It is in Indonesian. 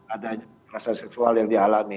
ada kekerasan seksual yang dialami